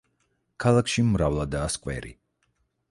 ქალაქში მრავლადაა სკვერი.